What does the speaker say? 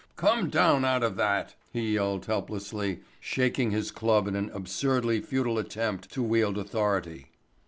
"Come down out of that," he yelled helplessly, shaking his club in an absurdly futile attempt to wield authority.